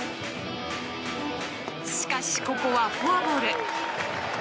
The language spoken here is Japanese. しかし、ここはフォアボール。